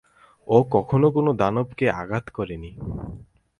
ও কখনো কোনো দানবকে আঘাত করেনি।